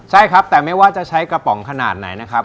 ใช่ครับแต่ไม่ว่าจะใช้กระป๋องขนาดไหนนะครับ